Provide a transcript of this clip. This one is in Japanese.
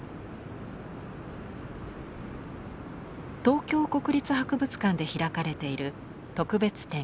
東京国立博物館で開かれている特別展